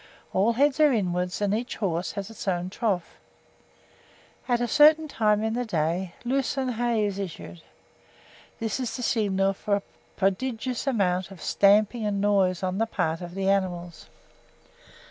All heads are inwards, and each horse has his own trough. At a certain time in the day lucerne hay is issued. This is the signal for a prodigious amount of stamping and noise on the part of the animals.